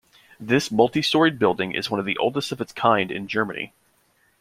This multi-storied building is one of the oldest of its kind in Germany.